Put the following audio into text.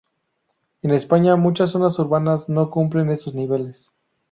En España muchas zonas urbanas no cumplen estos niveles.